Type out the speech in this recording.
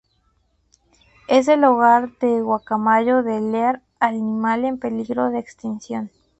Es el hogar de guacamayo de Lear, animal en peligro de extinción.